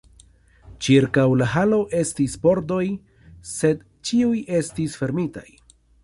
Ĉirkaŭ la halo estis pordoj; sed ĉiuj estis fermitaj.